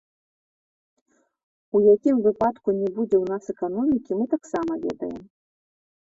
У якім выпадку не будзе ў нас эканомікі, мы таксама ведаем.